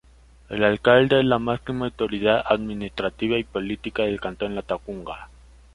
El Alcalde es la máxima autoridad administrativa y política del Cantón Latacunga.